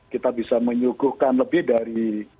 kita bisa menyuguhkan lebih dari